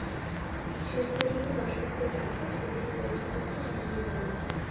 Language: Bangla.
শেষ পর্যন্ত দর্শকদের কাছে ছবিটি পৌঁছে যাচ্ছে, এটা ভেবে ভালো লাগছে।